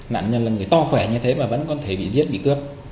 nạn nhân là người to khỏe như thế mà vẫn có thể bị giết bị cướp